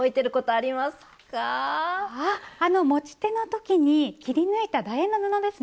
あっあの持ち手の時に切り抜いただ円の布ですね？